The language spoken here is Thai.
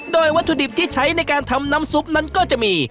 โดยวัตถุดิบที่ใช้ในการทำน้ำซุปนั้นก็จะมี